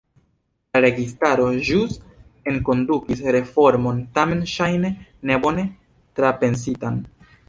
La registaro ĵus enkondukis reformon, tamen ŝajne ne bone trapensitan.